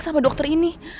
sama dokter ini